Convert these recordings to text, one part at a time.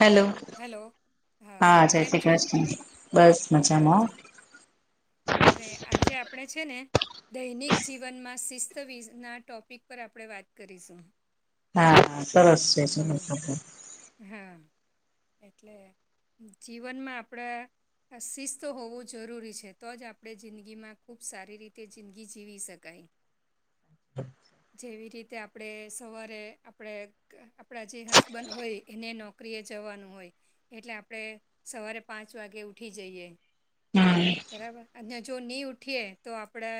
Hello! Hello હા, જય કેમ શ્રી છો કૃષ્ણ. બસ હા મજામાં હો. જ હવે આજે આપણે છે ને દૈનિક જીવનમાં શિસ્ત વીસના ટોપિક પર આપણે વાત કરીશું. હા, સરસ છે હમ [unintelligible] હા, એટલે જીવનમાં આપડે આ શિસ્ત હોવું જરૂરી છે તો જ આપણે જિંદગીમાં ખૂબ સારી રીતે જિંદગી જીવી શકાય. જેવી રીતે આપ ડે સવારે આપણે આપણા જે હસબન્ડ હોય એને નોકરીએ જવાનું હોય એટલે આપડે સવારે પાંચ વાગે ઉઠી જઈએ. હમ બરાબર અને જો નહી ઉઠીએ તો આપડે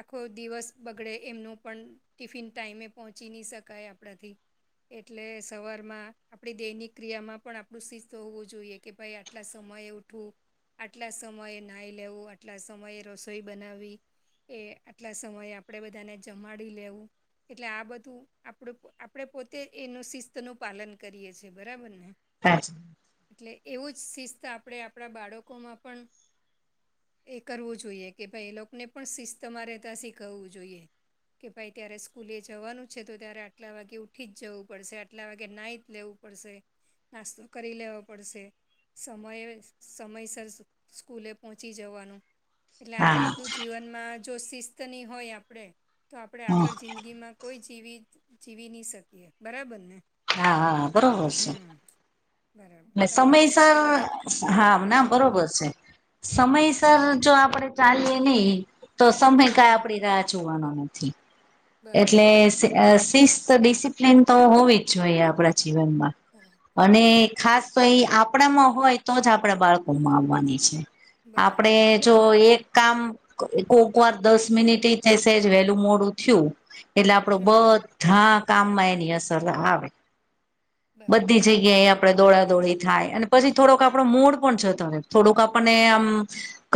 આખો દિવસ બગડે એમનું પણ ટિફિન ટાઈમે પહોંચી નહી શકાય આપણાથી એટલે સવારમાં આપણી દૈનિક ક્રિયામાં પણ આપણું શિસ્ત હોવું જોઈએ કે ભાઈ આટલા સમયે ઉઠવું આટલા સમયે નાઈ લેવું આટલા સમયે રસોઈ બનાવી એ આટલા સમયે આપણેે બધાને જમાડી લેવું. એટલે આ બધું આપણું આપણે પોતે એનું શિસ્તનું પાલન કરીએ છે. બરાબરને? હા. એટલે એવું જ શિસ્ત આપણે આપણા બાળકોમાં પણ એ કરવું જોઈએ કે ભાઈ એ લોકોને પણ શિસ્તમાં રહેતા શીખવવું જોઈએ. કે ભાઈ ત્યારે સ્કૂલે જવાનું છે તો ત્યારે આટલા વાગે ઉઠી જ જવું પડશે આટલા વાગે ન્હાઈ લેવું પડશે. નાસ્તો કરી લેવો પડશે. સમયે સમયસર સ્કૂ સ્કૂલે પહોંચી જવાનું એટલે આ હા રીતનું જ જીવનમાં જો શિસ્તની હોય આપડે તો આપણે હા આગળ જિંદગીમાં કોઈ જીવી જીવી નહી શકીએ. બરાબર ને? હા. હા. હા. હમ્મ. ને સમયસર, હા ના હમ બરોબર છે. સમયસર બરાબર જો આપડે ચાલીએ નહી તો સમય કાઈ હમ આપણે રાહ જોવાનો નથી. એટલે બરાબર શ શિસ્ત ડિસિપ્લિન તો હોવી જ જોઈએ આપડે. જીવનમાં બરાબર અને, ખાસ તો ઈ આપડામાં હોય, તો જ આપડા બાળકોમાં આવવાની છે. આપડે બરાબર જો એક કામ કોક વાર દસ મિનિટય શેજ વેલું મોડું થ્યું, એટલે આપડો હા બધા કામમાં એની અસર આવે. બધી બરાબર જગ્યાએ આપ, આપણે દોડા દોડી થાય અને પછી થોડોક આપણો મૂડ પણ જતો હોય થોડુંક આપણને આમ,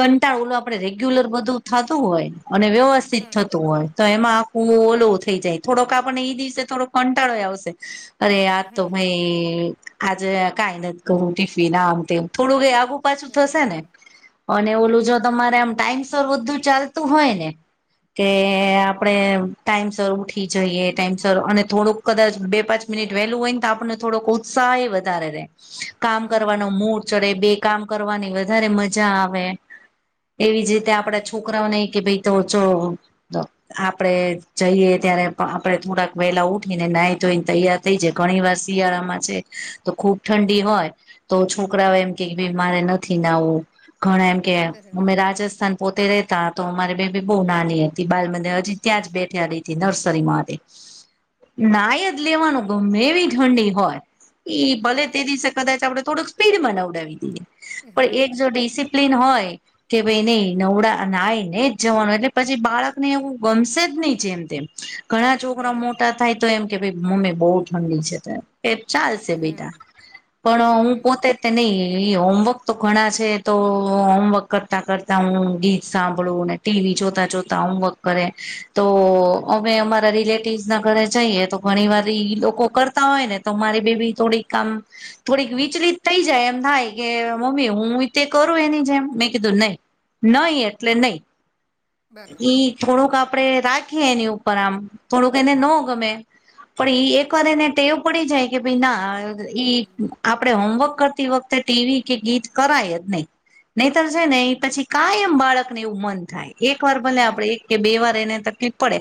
કંટાળ ઓલા આપડે રેગ્યુલર બધું થતું હોય, અને વ્યવ.... સ્થિત હા થતું હોય તો એમાં આખું ઓલો બરાબર થઈ, જાય થોડોક આપણને ઈ દિવસે થોડોક કંટાળોય આવશે અરે આ હા તો ભાઈ, આજે કાઈ નથી કહવુ ટિફિન આમ તેમ થોડું આઘુ પાછું થશે ને, બરાબર અને ઓલું હમ જો તમારે આમ ટાઈમ, સર બધું ચાલતું હોય ને કે હા આપડે એમ, ટાઈમસર ઉઠી જઈએ, ટાઈમ સર અને થોડુંક કદાચ બે પાંચ મિનિટ વહેલું હોયન તો આપણને થોડોક ઉ, ત્સાહએ વધારે રે. કામ હમ કરવાનો મૂડ ચડે બે કામ કરવાની વધારે મજા આવે. એવી જ રીતે બરાબર આપડા છોકરાઓ નહી કે ભઈ તો જો તો આપડે, જઈએ ત્યારે આ આપડે થોડાક વેલા ઉઠીને નાહી ધોઈને તૈયાર થઈ જાય ઘણી વાર શિયાળામાં છે. તો ખુબ ઠંડી હોય, તો છોકરાઓ એમ કે ક ભઈ મારે નથી નાવું. ઘણા એમકે બરાબર અમે રાજસ્થાન પોતે રેતા તો અમારી બેબી બહુ નાની હતી. બાલમં, ને હજી ત્યાં જ બેઠ, [unintelligible] નર્સરીમાંથી, નાય જ લેવાનું ગમે એવી ઠંડી હોય. ઈ ભલે તે બરાબર દિસે કદાચ આપડે થોડુંક સ્પીડમાં નવડાવી દીએ પણ હા એક જો ડીસી, પ્લીન હોય. કે ભઈ નઈ નવડા નાઈને જ જવાનું એટલે પછી બાળકને એવું ગમશે જ નઈ. જેમ તેમ ઘણા છોકરા બરાબર મોટા થાય તો એમ કે ભઈ મમ્મી બહુ ઠંડી છે ત્યાં. એ ચાલશે હા બેટા, હમ પણ હું પોતે [unintelligible] નહી ઈ હોમવર્ક તો ઘણા છે તો હોમવર્ક કરતાં કરતા હું ગીત સાંભળુંને ટીવી જોતા જોતા હોમવર્ક કરે. તો અમે અમારા રિલેટિવ્સના ઘરે જઈએ તો ઘણી વાર ઈ લોકો કરતા હોય ને. તમારે બેબી થોડીક કામ. થોડીક વિચલિત થઈ જાય એમ થાય કે, મમ્મી હુઈ તે કરું એની જેમ? મેં કીધું નહી, નઈ એટલે નઈ. બરાબર ઈ થોડુંક આપડે રાખીએ એની ઉપર આમ થોડુંક એને ન હમ ગમે, પણ ઈ એક વાર એને ટેવ પડી જાય કે ભઈ ના [unintelligible] ઈ, હમ આપણે હોમવર્ક કરતી વખતે ટીવી કે ગીત કરાય જ નહી, નહીંતર છે ને બરાબર ઈ પછી, કાઈ એમ બાળકને એવું મન થાય. એક વાર ભલે હમ આપણે એક કે બે વાર એને તકલીફ પડે.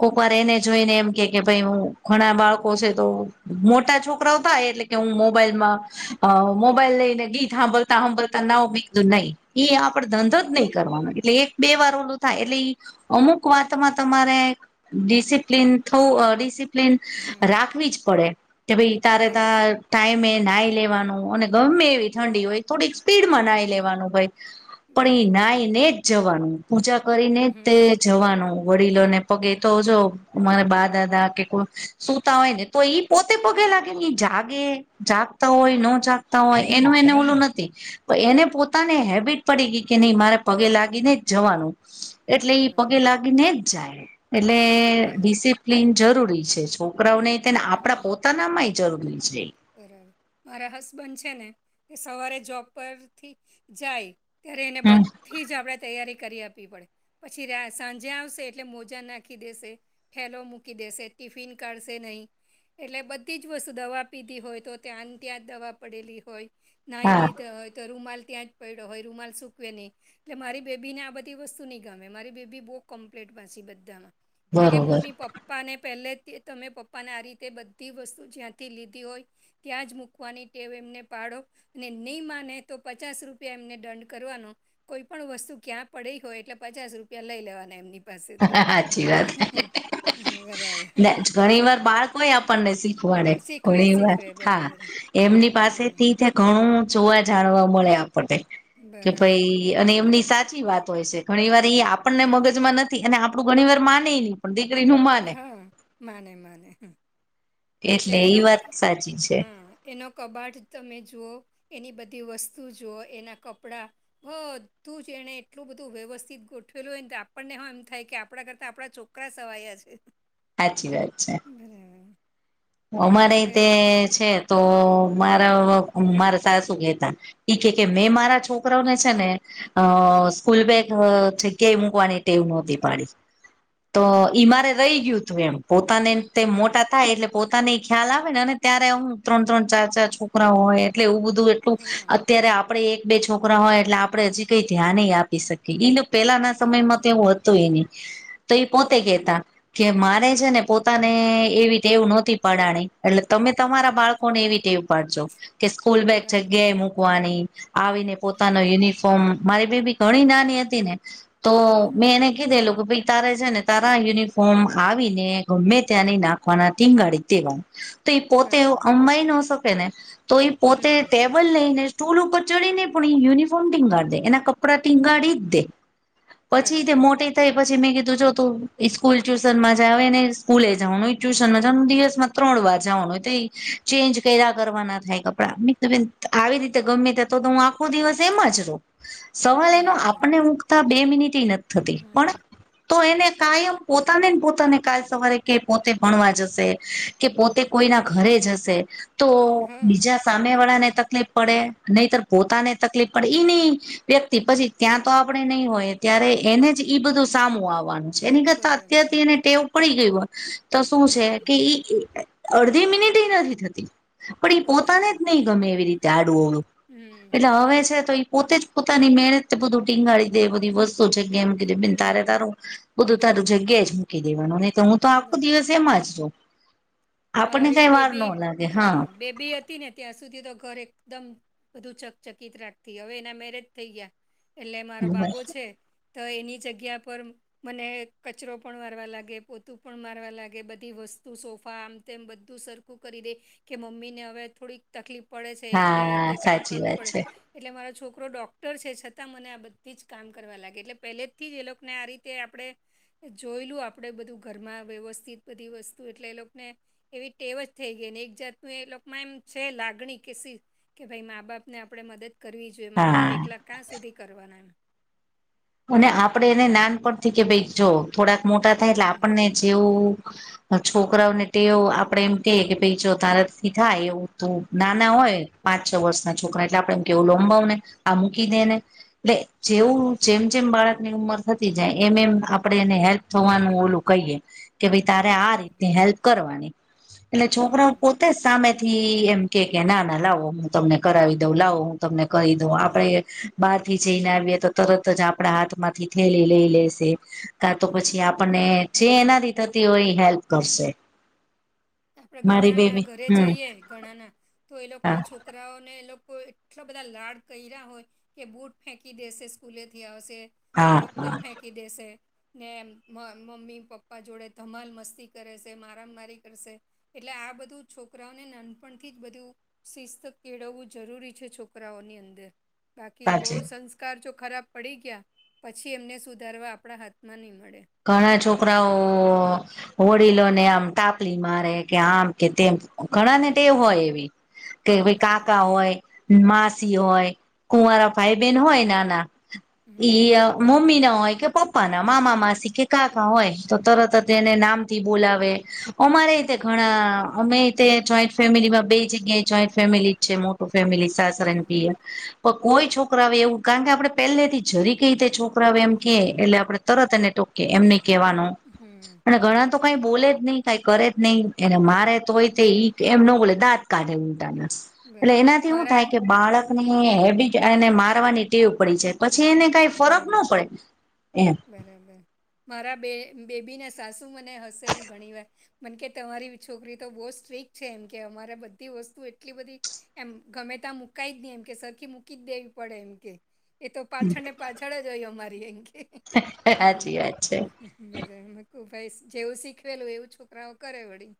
કોક વાર એને જોઈને, એમ કે કે ભઈ હું ઘણા બાળકો છે તો, મોટા છોકરાઓ થાય એટલે.... કે હું મોબાઈલમાં અ મોબાઈલ લઈને ગીત હાંભળતા હાંભળતા નાવ? મે કીધું નહી. ઈ આપ હમ ધંધો જ નહીં કરવાનો, એટલે એક બે વાર ઓલું થાય. એટલે ઈ અમુક, [unintelligible] વાતમાં તમારે ડિસિપ્લન થવું અ ડીસી.... પ્લીન હમ રાખવી જ પડે, કે ભાઈ તારે તા, બરાબર ટાઈમે નાઈ લેવાનું, અને ગમે એવી ઠંડી હોય. થોડીક સ્પીડમાં નાઈ હમ લેવાનું ભઈ. પણ બરાબર ઈ નાઈને જ જવાનું. પૂજા કરીને તે..... હમ જવાનું વડીલોને પગે તો જો મારે બા દાદા કે કોઈ સુતા હોયને, તોઈ ઈ પોતે પગે લાગેને ઈ જાગે જાગતા હોય ન જાગતા હોય એનું એને ઓલું નથી એને પોતાને હેબિટ પડી ગઈ કે નઈ મારે પગે લાગીને જ જવાનું. એટલે ઈ પગે બરાબર લાગીને જ જાય. એટલે મા ડિસિપ્લિન જરૂરી છે. છોકરાને તે ને હમ આપણા પોતાનામાં ય જરૂરી છે. બરાબર. મારા હસબન્ડ છે ને એ સવારે જોબ પરથી જાય ત્યારે એને બદ હમ થી જ આપણે તૈયારી કરી આપવી પડે. પછી સાંજે આવશે એટલે મોજા નાખી દેશે થેલો મૂકી દેશે, ટિફિન કાઢશે નઈ એટલે બધી જ વસ્તુ દવા પીધી હોય તો, ત્યાં ત્યાં દવા પડેલી હોય, નાહી હા લીધા હોય, તો રૂમાલ ત્યાં જ પડ્યો હોય રૂમાલ સૂકવે ની એટલે મારી બેબીને આ બધી વસ્તુ નઈ ગમે મારી બેબી બહુ કમ્પ્લીટ પાછી બધામાં એટલે કે બરોબર મમ્મી પપ્પાને પહેલેથી તમે પપ્પાને આ રીતે બધી વસ્તુ જ્યાંથી લીધ ઘી હોય, ત્યાં જ મૂકવાની ટેવ એમને પાડો અને ની માને તો, પચાસ રૂપિયા એમને દંડ કરવાનો કોઈ પણ વસ્તુ ક્યાં પડી હોય એટલે પચાસ રૂપિયા લઈ લેવાના એમની પાસેથી હાચી વાત બરાબર ઘણી વાર બાળકો ય આપણને શીખવાડે શીખવે ઘણી વાર શીખવે હા બરાબર એમની હા પાસેથી ઘણું જોવા જાણવા મળે આપણને કે બરાબર ભાઈ અને એમની સાચી વાત હોય છે. ઘણી વાર એ આપણને હા મગજમાં નથી અને આપણું ઘણી વાર માને ની દીકરીનું માને હા, માને માને એટલે એ એનો ક વાત સાચી હ છે એનો કબાટ તમે જુઓ, એની બધી વસ્તુ જુઓ, એના કપડાં બધું જ એણે એટલું બધું વ્યવસ્થિત ગોઠવેલું હોય. આપણને હ એમ થાય કે આપણા કરતા આપણા ચો છોકરાં સવાયા છે. સાચી વાત છે. બરાબર અમારે એટલે તે છે, તો મારા મારા સાસુ કેતા ઈ કે, કે મેં મારા છોકરાઓને છે ને અ સ્કૂલ બેગ જગ્યાએ મૂકવાની ટેવ નોતી પાડી તો ઈ બરાબર મારે રહી ગયું તું એમ પોતાને તે હમ મોટા થાય એટલે પોતાને ખ્યાલ આવેને અને ત્યારે આમ ત્રણ ત્રણ, ચાર ચાર છોકરા હોય, એટલે એવું બધું એટલું હમ અત્યારે આપણે એક બે છોકરા હોય એટલે આપણે હજી કંઈ ધ્યાન આપી શક એ પહેલાના સમયમાં બરાબર તો એવું હતું ય ની, તો એ પોતે હમ કેતા કે મારે છે ને, પોતાને એવી ટેવ નો થી પડાણી એટલે તમે તમારા બાળકોને એવી ટેવ પાડજો કે સ્કૂલ બેગ જગ્યા બરાબર એ મૂકતી મૂકવાની આવીને પોતાનો હમ યુનિફોર્મ મારી બેબી ઘણી નાની હતી ને તો મે બરાબર એને કીધેલુ કે ભઈ તારે છે ને તારા યુનિફોર્મ આવીને ગમ્મે ત્યાં નઇ નાખવાના ટીંગાડી દેવાનું તો એ પોતે બરાબર અંબાઈ ન શકે ને તો એ પોતે ટે હમ ટેબલ લઈને સ્ટૂલ ઉપર ચડી ને પણ એ યુનિફોર્મ ટીંગા દે એના કપડાં ટીંગાડી જ દે પછી તે બરાબર મોટે પછી મેં કીધું છે તું સ્કૂલ ટ્યુશનમાં જ આવે ને સ્કૂલે જવાનું ટ્યુશનમાં હમ જવાનું દિવસ ત્રણ વાર જવાનું એ ચેન્જ ક્યા કરવાના થાય કપડા બેન તો આવી રીતે ગમે ત્યાં. તો તો હું આખો દિવસ એમાં જ રવ. સવાલ એનો બરાબર આપણને મુકતાં બે મિનિટય નથ થતી હમ પણ તો એને કાયમ પોતાનેન પોતાને કાલ સવારે ક‌ય પોતે ભણવા જશે કે પોતે કોઈના ઘરે જશે તો.. હા બીજા શ સામેવાળાને તકલીફ પડે, નહીતર પોતાને તકલીફ પડે ઈની વ્યક્તિ પછી ત્યાં તો આપડે નહી હોય‌એ. ત્યારે એને જ ઈ બધું સામું આવાનું. એની કરતાં બરાબર અત્યારથી એને ટેવ પડી ગયું હોય તો શું છે હમ કે ઈ અઅ અડધી મિનિટય નથી થતી. પણ ઈ પોતાને બરાબર જ નહીં ગમે એવીરીતે આડું અવળું... હમ એટલે હવે છે તો ઈ પોતે જ પોતાની મહેનતથી બધું ટીંગાડી દે એ બધી વસ્તુ જગ્યાએ મુકી દે. બેન તારે હમ તારું બધું તારું જગ્યાએ જ મૂકી દેવાનું. નહી તો હું તો આખો બરાબર દિવસ એમાં જ રવ. મારી બેબી.. હા બેબી [inaudible] એ હતી ને ત્યાં સુધી તો ઘર એકદમ બધું ચકચકિત રાખતી, હવે એનાં મેરેજ થઈ ગ્યા. એટલે મારો બાબો છે. તો એની જગ્યા પર મને કચરો પણ વારવા લાગે, પોતું પણ મારવા લાગે, બધી વસ્તુ સોફા આમ તેમ બધું સરખું કરી દેય કે મમ્મીને હવે થોડીક તકલીફ પડે છે. એકલે હા હાથે કામ સાચી કરવું વાત પડે છે એટલે મારો છોકરો ડૉક્ટર છે. છતાં મને આ બધ્ધી જ કામ કરવા લાગે. એટલે પહેલેથી જ એ લોકને આ રીતે આપણે જોઈલું આપણે બધું ઘરમાં વ્યવસ્થિત બધી વસ્તુ. એટલે એ લોકને એવી ટેવ જ થઈ ગઈ ને.. એક જાતનું એ લોકોમાં એમ છે લાગણી.. કે [inaudible] કે ભાઈ મા બાપને આપણે મદદ કરવી જોય. મા બાપ હા એકલા કાં સુધી કરવાના?. અને આપડે એને નાનપણથી કે ભાઈ જો... થોડાંક મોટા થાય એટલે હમ આપણને જેવું છોકરાઓને ટેવ આપડે એમ કહીએ કે ભાઈ જો તારાથી થાય એવું તું [inaudible] નાના હમ હોય પાંચ છ વર્ષના છોકરા એટલે આપડે એમ કે, ઓલુ અંબાવને, આ મૂકી દે ને.. એટલે જેવું જેમ જેમ બાળકની ઉંમર થતી જાય. એમ એમ આપડે એને હેલ્પ થવાનું ઓલું કહીએ. કે ભાઈ તારે આ બરોબર રીતની હેલ્પ કરવાની. એટલે છોકરાઓ હમ પોત્ તે સામેથી એમ કે કે ના ના, લાવો હું તમને કરાવી દઉં, લાવો હું તમને કરી દઉં. આપણે બહારથી જઈને હમ આવીએ તો તરત જ આપણા હાથમાંથી થેલી લઈ લેશે. કાં તો હમ પછી આપ ણને જે એનાંથી થતી હોય એ હેલ્પ કરશે. આપડે મારી ઘણાનાં બેબી ઘરે હમ જઈએ... ઘણાંના.. તો એ હા લોકના છોક કરાઓને એ લોકો એટલાં બધા લાડ કયરા હોય કે બૂટ ફેંકી દેશે સ્કૂલેથી આવશે. કે હા દફ્તર હા ફેંકી દેશે ને મ મમ્મી પપ્પા જોડે ધમાલ મસ્તી કરેશે. મારામ્ મારી કરશે. એટલે આ બધું છોકરાઓને નાનપણથી જ બધું શિસ્ત કેળવવું જરૂરી છે. છોકરાઓની અંદર.. બાકી બહુ સાચી સં સ્કાર જો ખરાબ પડી ગ્યા પછી એમને સુધારવા આપણા હાથમાંની મળે. ઘણા છોકરાઓ.. ઓ વડીલોને આમ તાપલી મારે કે આમ કે તેમ ઘણાંને હમ ટેવ હોય એવી કે, ભાઈ બરાબર કાકા હોય માસી હોય. કુંવારા ભાઈ બેન હોય નાનાં હમ ઈ અ મમ્મીના હોય કે પપ્પાના મામા માસી કે કાકા હોય. તો તરત જ તેને નામથી બોલાવે. અમારેય તે ઘણાં અમેય તે જોઈન્ટ ફેમિલીમાં બેય જગ્યાએ જોઈન્ટ ફેમિલી જ છે. મોટ ટુ ફેમિલી સાસરે ને હા પીયર. પ કોઈ છોકરાઓ એવું કાણ કે, આપણે પેલ્લેથી જરીકેય તે છોક કરાઓ એમ ક્યે એટલે આપણે તરત એને ટોકીએ એમ ની કેવાનું હમ અને ઘણાં તો કઈ બોલે જ નઈ કાઈ કરે જ નઈ એને મારે તોયતે ઈ એમ ન બોલે દાત કાઢે ઊલટાના. એટલે બરા એનાથી હું મારા થાય કે બાળક અને હેબિટ અને મારવાની ટેવ પડી જાય. પછી એને કાઈ ફરક ન હમ પડે એમ. બરાબર. મારા બે બેબીને સાસુ મને હશે ને ઘણી વાર. મને કે તમારી છોકરી તો બોઉ સ્ટ્રીક છે એમ કે અમારે બધી વસ્તુ એટલી બધી એમ ગમે ત્યાં મુકાય જ ની એમ કે સરખી મૂકી જ દેવી પડે એમ કે. એ તો પાછળ ને પાછળ જ હોય અમારી એમકે. સાચી વાત છે બરાબર ભાઈ જેવું શીખવેલું એવું છોકરાઓ કરે વળી.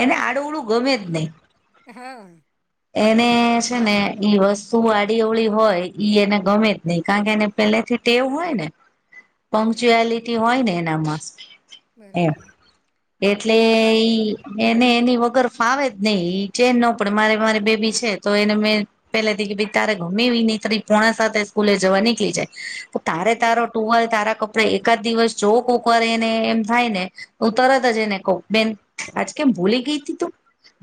એને આડું અવળું ગમે જ નહીં. હ. એને છે ને ઈ વસ્તુ આડી અવળી હોય ઈ એને ગમે જ નઈ કારણ કે એને પેલેથી ટેવ હોય ને. [inaudible] પંકચુલિટી હોય ને એનામાં. એમ બરાબર એટલે ઈ. એને એની વગર ફાવે જ નઈ ઈ ચેન ન પડે મારે મારી બેબી છે. તો એને મેં પેલે થી કીધું તારે ગમે એવી નેત્રી પોણા સાતે સ્કૂલે જવા નીકળી જાય. તારે તારો હમ ટુવાલ તારા કપડા એકાદ દિવસ જો કોકવાર એને એમ થાય ને. હું તરત જ એને કવ. બેન આજ કેમ ભૂલી ગઈ તીતુ.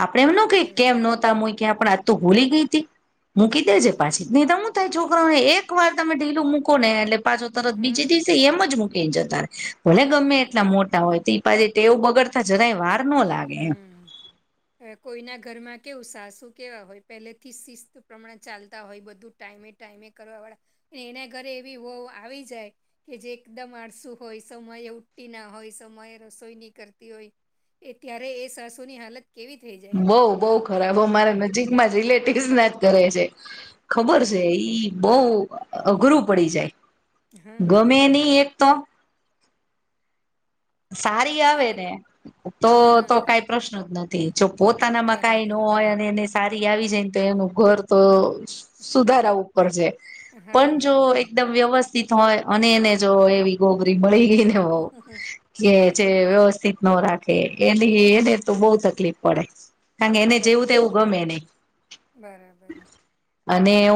આપડે એમ ન કઈ કેમ બરાબર નહોતા મુકયા પણ આજતો ભુલી ગઈ તી. મૂકી દેજે તો પાછી. ની તો હું થાય છોકરોઓને એક વાર તમે ઢીલું મુકો ને એટલે પાછો તરત બીજે હા દિવસે એમ જ મુ મુકી જતા હોય. ભલે ગમે બરાબર એટલા મોટા હોય તે પાછા ટેવ બગડતા જરાય વાર ન લાગે. એમ હમ. કોઈના ઘરમાં કેવું સાસુ કેવા હોય પેલેથી શિસ્ત પ્રમાણે ચાલતા હોય. બધું ટાઈમે ટાઈમે કરવા વાળા અને એના ઘરે એવી વહું આવી જાય. કે જે એકદમ આળસું હોય. સમયે ઉઢતીના હોય સમયે રસોઈ ન કરતી હોય. એ ત્યારે એ સાસુની હાલત કેવી થઈ છે. બઉ બઉ ખરાબ અમારે નજીક રિલેટિવ્સ ના જ કરે છે. ખબર છે બરાબર ઈ. બઉ અઘરું પડી જાય. હા ગમે નઈ એક તો. સારી આવે એટલે ને. તો તો હા કાઈ પ્રશ્ન જ નથી. જો પોતાનામાં કાઈ ન બરાબર હોય અને એને સારી આવી જાય તો એનું ઘર તો તો સુધારા ઉપર છે. હા પણ જો વળી એક એકદમ વ્યવસ્થિત હોય. અને એને જો એવી ગોબરી મળી ગઈ ને વહુ. તો એ જે વ્યવસ્થિત ન રાખે એની એને તો બોઉ તકલીફ પડે. કારણ કે એને જેવું બરાબર તેવું ગમે નઈ બરાબર અને